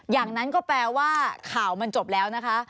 อย่างนั้นก็แปลว่าข่าวมันจบแล้วนะคะ